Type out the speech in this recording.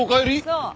そう。